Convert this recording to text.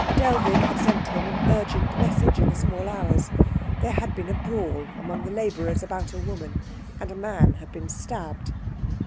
Dellwig had sent him an urgent message in the small hours; there had been a brawl among the labourers about a woman, and a man had been stabbed.